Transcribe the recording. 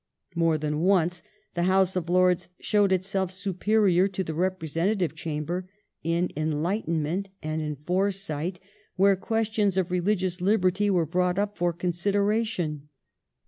More than once the House of Lords showed itself superior to the representative chamber in enlightenment and in foresight where questions of religious liberty were brought up for consideration.